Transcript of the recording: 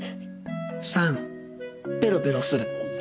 ３ペロペロする。